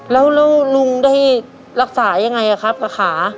แล้วลุงได้รักษายังไงครับกับขา